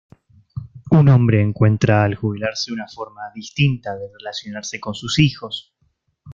Un hombre encuentra al jubilarse una forma distinta de relacionarse con sus hijos.